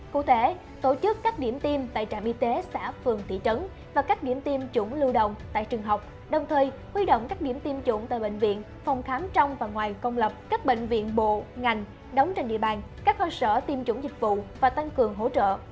cụ thể tổ chức các điểm tiêm tại trạm y tế xã phường thị trấn và các điểm tiêm chủng lưu động tại trường học đồng thời huy động các điểm tiêm chủng tại bệnh viện phòng khám trong và ngoài công lập các bệnh viện bộ ngành đóng trên địa bàn các cơ sở tiêm chủng dịch vụ và tăng cường hỗ trợ